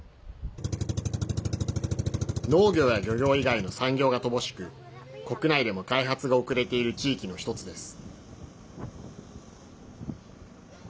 農業や漁業以外の産業が乏しく国内でも開発が遅れている地域の一つです。